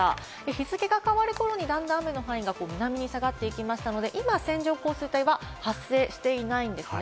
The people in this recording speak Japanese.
日付が変わる頃に段々雨のラインが下がってきましたので、今、線状降水帯は発生していないんですね。